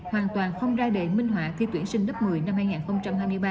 hoàn toàn không ra đề minh họa khi tuyển sinh lớp một mươi năm hai nghìn hai mươi ba